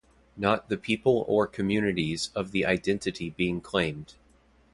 Not the people or communities of the identity being claimed.